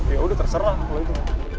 yaudah terserah kalo itu